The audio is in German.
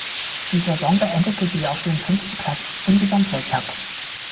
Die Saison beendete sie auf den fünften Platz im Gesamtweltcup.